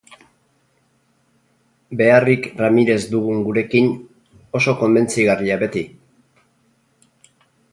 Beharrik Ramirez dugun gurekin, oso konbentzigarria beti...